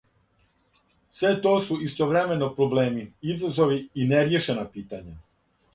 Све то су истовремено проблеми, изазови и неријешена питања.